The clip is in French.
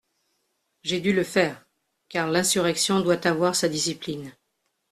J'ai dû le faire, car l'insurrection doit avoir sa discipline.